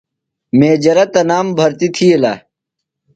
میجرہ تنام برتیۡ تِھیلہ۔